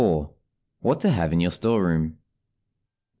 WHAT TO HAVE IN YOUR STORE ROOM.